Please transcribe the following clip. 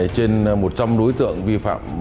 trên một trăm linh đối tượng vi phạm